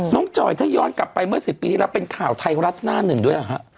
จอยถ้าย้อนกลับไปเมื่อ๑๐ปีที่แล้วเป็นข่าวไทยรัฐหน้าหนึ่งด้วยเหรอฮะ